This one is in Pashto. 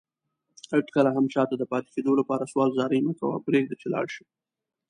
هيڅ کله هم چاته دپاتي کيدو لپاره سوال زاری مکوه پريږده چي لاړشي